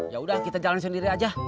yaudah kita jalan sendiri aja